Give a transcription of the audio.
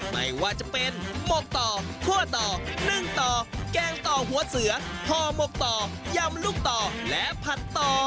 ไม่ว่าจะเป็นหมกต่อคั่วต่อนึ่งต่อแกงต่อหัวเสือห่อหมกต่อยำลูกต่อและผัดต่อ